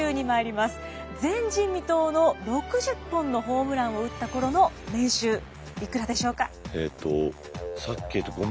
前人未到の６０本のホームランを打った頃の年収いくらでしょうか？